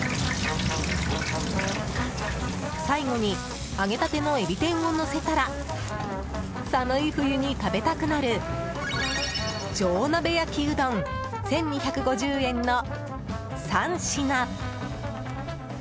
最後に、揚げ立てのえび天をのせたら寒い冬に食べたくなる上鍋焼きうどん、１２５０円の３品。